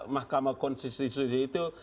mahkamah konstitusi itu